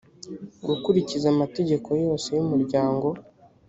gukurikiza amategeko yose y umuryango